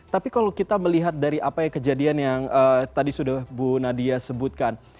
tapi kalau kita melihat dari apa yang kejadian yang tadi sudah bu nadia sebutkan